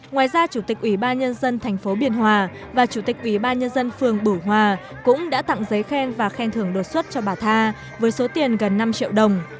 ngoài ra chủ tịch ubnd tp biển hòa và chủ tịch ubnd phường bửu hòa cũng đã tặng giấy khen và khen thưởng đột xuất cho bà tha với số tiền gần năm triệu đồng